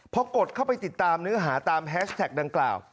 พอกดเข้าไปติดตามเนื้อหาตามแฮชแท็กดังกล่าว